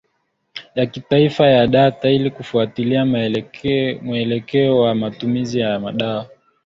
ya kitaifa ya data ili kufuatilia mwelekeo wa matumizi ya madawa